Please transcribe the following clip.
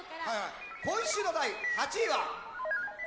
今週の第８位は。